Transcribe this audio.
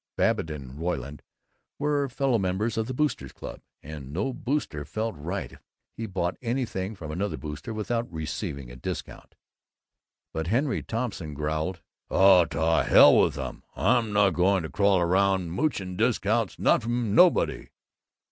Babbitt and Ryland were fellow members of the Boosters' Club, and no Booster felt right if he bought anything from another Booster without receiving a discount. But Henry Thompson growled, "Oh, t' hell with 'em! I'm not going to crawl around mooching discounts, not from nobody."